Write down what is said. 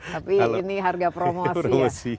tapi ini harga promosi ya